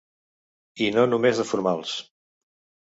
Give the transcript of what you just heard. I no només de formals.